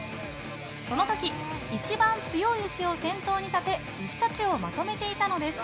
その時、一番強い牛を先頭に立て牛たちをまとめていたのです。